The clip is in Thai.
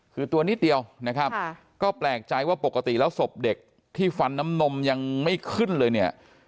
คือตัวนิดเดียวนะครับก็แปลกใจว่าปกติแล้วศพเด็กที่ฟันน้ำนมยังไม่ขึ้นเลยเนี่ย